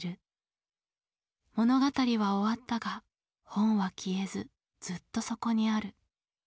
物語は終わったが本は消えずずっとそこにある。